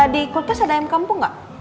di kulkas ada ayam kampung gak